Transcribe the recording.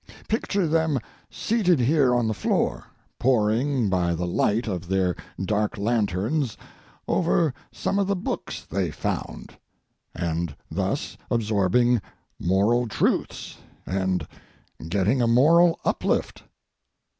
Picture them seated here on the floor, poring by the light of their dark lanterns over some of the books they found, and thus absorbing moral truths and getting a moral uplift.